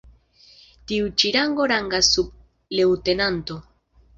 Tiu ĉi rango rangas sub leŭtenanto.